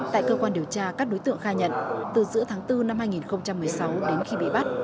tại cơ quan điều tra các đối tượng khai nhận từ giữa tháng bốn năm hai nghìn một mươi sáu đến khi bị bắt